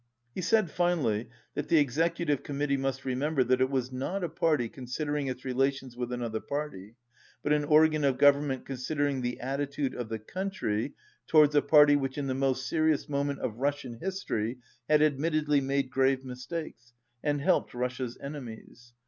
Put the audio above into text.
He said finally that the Executive Committee must remember that it was not a party considering its relations with another party, but an organ of government considering the attitude of the country towards a party which in the most serious moment of Russian history had admittedly made grave mistakes and helped Rus sia's enemies.